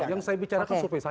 yang saya bicarakan survei saya